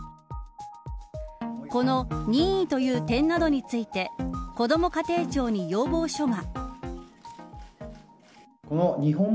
この任意という点などについてこども家庭庁に要望書が。